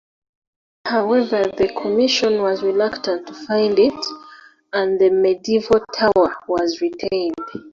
However the commission was reluctant to fund it, and the medieval tower was retained.